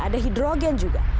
ada hidrogen juga